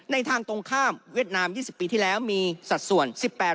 ทางตรงข้ามเวียดนาม๒๐ปีที่แล้วมีสัดส่วน๑๘